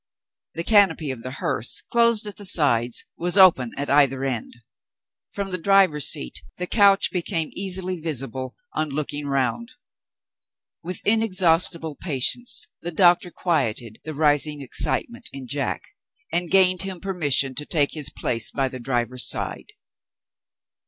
The canopy of the hearse, closed at the sides, was open at either end. From the driver's seat, the couch became easily visible on looking round. With inexhaustible patience the doctor quieted the rising excitement in Jack, and gained him permission to take his place by the driver's side.